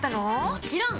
もちろん！